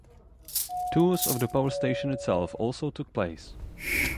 Tours of the power station itself also took place.